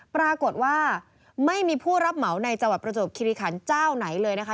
ปรากฏว่าไม่มีผู้รับเหมาในจังหวัดประจวบคิริขันเจ้าไหนเลยนะคะ